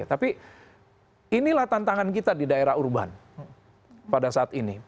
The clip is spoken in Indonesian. tapi inilah tantangan kita di daerah urban pada saat ini